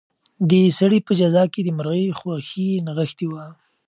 د سړي په جزا کې د مرغۍ خوښي نغښتې وه.